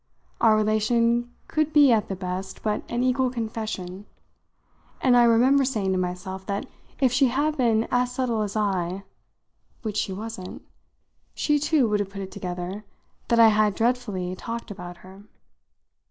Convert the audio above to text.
Our relation could be at the best but an equal confession, and I remember saying to myself that if she had been as subtle as I which she wasn't! she too would have put it together that I had dreadfully talked about her.